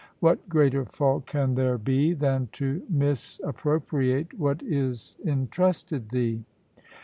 What greater fault can there be than to misappropriate what is entrusted thee?